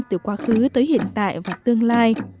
từ quá khứ tới hiện tại và tương lai